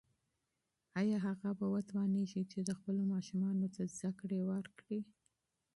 ایا هغه به وتوانیږي چې خپلو ماشومانو ته تعلیم ورکړي؟